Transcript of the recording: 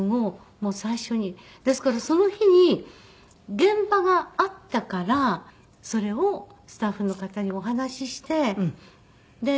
ですからその日に現場があったからそれをスタッフの方にお話ししてでスタッフの方も一緒に。